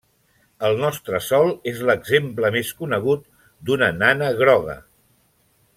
El nostre Sol és l'exemple més conegut d'una nana groga.